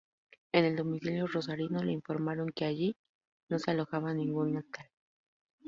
En el domicilio rosarino les informaron que allí no se alojaba ninguna tal.